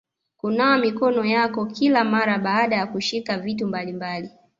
Kunawa mikono yako kila mara baada ya kushika vitu mbalimbali